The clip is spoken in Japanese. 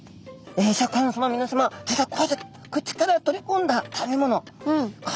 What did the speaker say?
シャーク香音さまみなさま実はこうやって口から取りこんだ食べ物これがですね